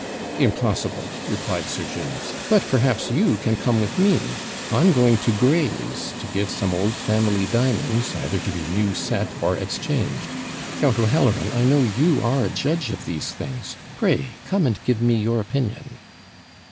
'Impossible,' replied Sir James; 'but, perhaps, you can come with me I'm going to Gray's, to give some old family diamonds, either to be new set or exchanged. Count O'Halloran, I know you are a judge of these things; pray, come and give me your opinion.'